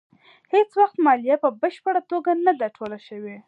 هېڅ وخت مالیه په بشپړه توګه نه ده ټوله شوې.